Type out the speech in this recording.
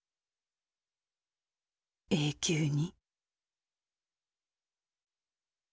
永久に」。